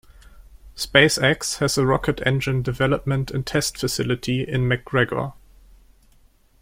SpaceX has a rocket engine development and test facility in McGregor.